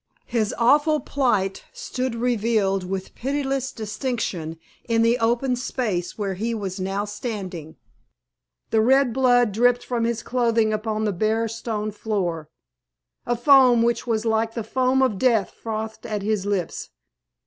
His awful plight stood revealed with pitiless distinctness in the open space where he was now standing. The red blood dripped from his clothing upon the bare stone floor, a foam which was like the foam of death frothed at his lips.